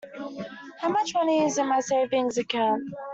How much money is in my savings account?